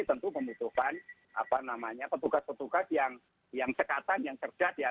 tentu membutuhkan petugas petugas yang sekatan yang cerdas ya